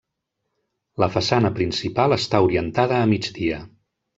La façana principal està orientada a migdia.